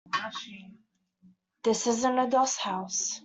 This isn't a doss house.